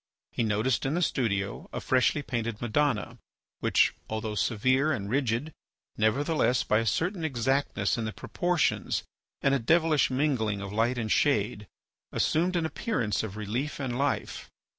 He noticed in the studio a freshly painted Madonna, which, although severe and rigid, nevertheless, by a certain exactness in the proportions and a devilish mingling of light and shade, assumed an appearance of relief and life.